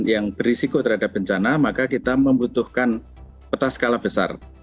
yang berisiko terhadap bencana maka kita membutuhkan peta skala besar